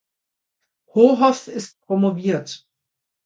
Hohoff ist promoviert.